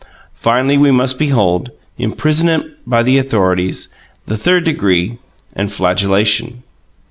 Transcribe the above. Finally, we must behold: imprisonment by the authorities; the third degree and flagellation.